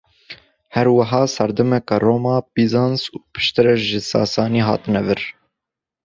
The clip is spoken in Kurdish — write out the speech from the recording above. Her wiha serdemekê Roma, Bîzans û piştre jî sasanî hatine vir.